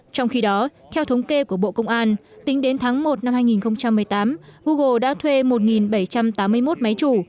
trong khi đó theo thống kê của bộ công an tính đến tháng một năm hai nghìn một mươi tám google đã thuê một bảy trăm tám mươi một máy chủ